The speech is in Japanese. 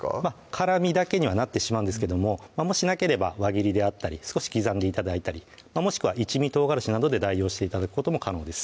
辛みだけにはなってしまうんですけどももしなければ輪切りであったり少し刻んで頂いたりもしくは一味とうがらしなどで代用して頂くことも可能です